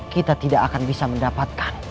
kita tidak akan bisa mendapatkan